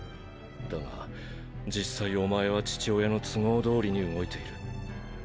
だが実際お前は父親の都合どおりに動いている。